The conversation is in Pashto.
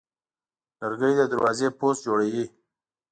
لرګی د دروازې پوست جوړوي.